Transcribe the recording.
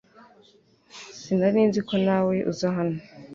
Sinari nzi ko nawe uza hano